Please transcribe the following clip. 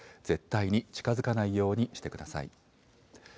絶対に近づかないようにしてください。